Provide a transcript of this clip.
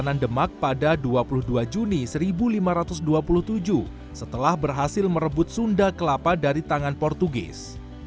di mana demak pada dua puluh dua juni seribu lima ratus dua puluh tujuh setelah berhasil merebut sunda kelapa dari tangan portugis